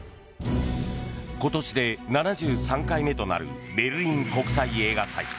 今年で７３回目となるベルリン国際映画祭。